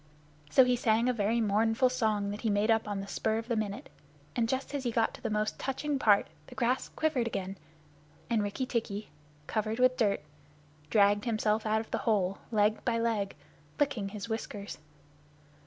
So he sang a very mournful song that he made up on the spur of the minute, and just as he got to the most touching part, the grass quivered again, and Rikki tikki, covered with dirt, dragged himself out of the hole leg by leg, licking his whiskers.